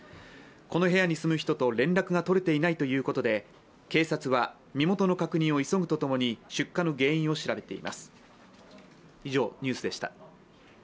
この部屋に住む人と連絡がとれていないということで警察は身元の確認を急ぐとともに出火の原因を調べています。